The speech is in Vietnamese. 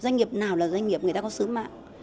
doanh nghiệp nào là doanh nghiệp người ta có sứ mạng